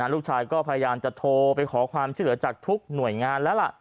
ลูกชายก็พยายามจะโทรไปขอความช่วยเหลือจากทุกหน่วยงานแล้วล่ะ